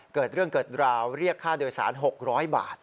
เกิดเรื่องเกิดราวเรียกค่าโดยสาร๖๐๐บาท